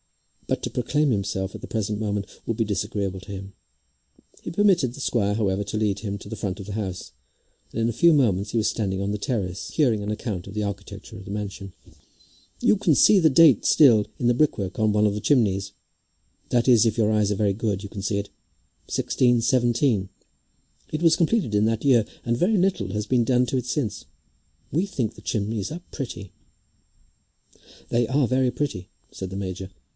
But to proclaim himself at the present moment would be disagreeable to him. He permitted the squire, however, to lead him to the front of the house, and in a few moments was standing on the terrace hearing an account of the architecture of the mansion. [Illustration: Squire Dale and Major Grantly.] "You can see the date still in the brickwork of one of the chimneys, that is, if your eyes are very good you can see it, 1617. It was completed in that year, and very little has been done to it since. We think the chimneys are pretty." "They are very pretty," said the major.